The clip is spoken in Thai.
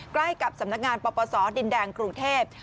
ใกล้กับสำนักงานปปศดินแดงกรุงเทพ